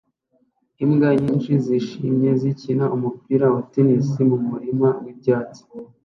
Imbwa nyinshi zijimye zikina numupira wa tennis mumurima wibyatsi